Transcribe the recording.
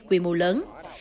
quy mô lớn